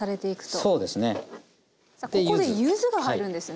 さあここで柚子が入るんですね。